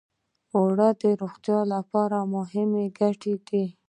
اوړه د روغتیا لپاره هم ګټور دي